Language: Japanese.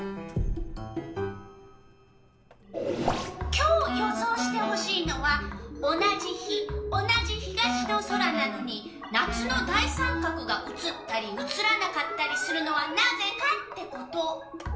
今日予想してほしいのは「同じ日同じ東の空なのに夏の大三角が写ったり写らなかったりするのはなぜか」ってこと。